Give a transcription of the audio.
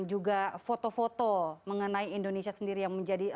juga foto foto mengenai indonesia sendiri yang menjadi